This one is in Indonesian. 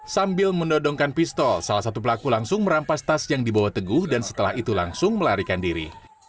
sambil mendodongkan pistol salah satu pelaku langsung merampas tas yang dibawa teguh dan setelah itu langsung melarikan diri